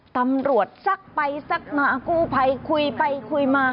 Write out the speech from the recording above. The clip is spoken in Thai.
ตำรวจซักไปซักหนากู้ภัยคุยไปคุยมา